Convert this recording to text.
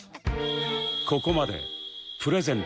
ここまでプレゼント